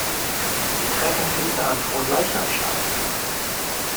Die Treffen finden an Fronleichnam statt.